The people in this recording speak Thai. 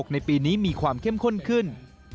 ในปีนี้มีความเข้มข้นขึ้น